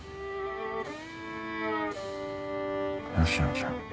吉野ちゃん。